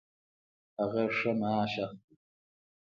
هغه ښه معاش اخلي